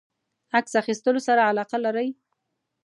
عکس اخیستلو سره علاقه لری؟